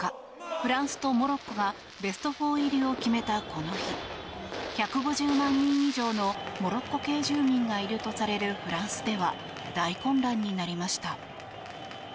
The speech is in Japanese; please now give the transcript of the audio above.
フランスとモロッコがベスト４入りを決めたこの日１５０万人以上のモロッコ系住民がいるとされるフランスでは大混乱になりました。